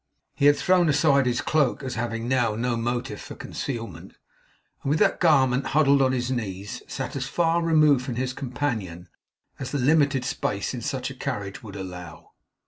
He had thrown aside his cloak, as having now no motive for concealment, and with that garment huddled on his knees, sat as far removed from his companion as the limited space in such a carriage would allow.